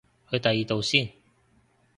去第二度先